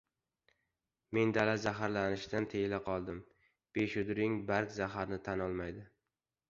Men dala zaharlashdan tiyila qoldim — beshudring barg zaharni tan olmaydi!